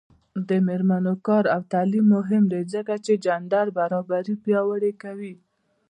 د میرمنو کار او تعلیم مهم دی ځکه چې جنډر برابري پیاوړې کوي.